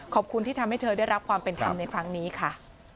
ขอบคุณที่ทำให้เธอได้รับความเป็นธรรมในครั้งนี้ค่ะ